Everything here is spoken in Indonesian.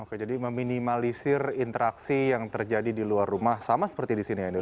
oke jadi meminimalisir interaksi yang terjadi di luar rumah sama seperti di sini ya dok